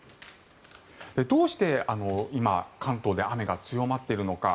どうして今、関東で雨が強まっているのか。